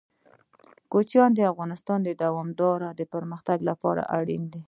کوچیان د افغانستان د دوامداره پرمختګ لپاره اړین دي.